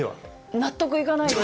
納得いかないです。